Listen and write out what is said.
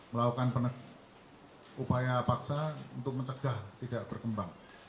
melakukan upaya paksa untuk mencegah tidak berkembang